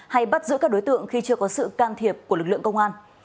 hay bắt giữ các đối tượng khi chưa có sự can thiệp của lực lượng công an